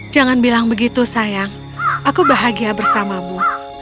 jangan bilang begitu sayang aku bahagia bersamamu